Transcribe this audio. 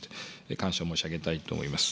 感謝申し上げたいと思います。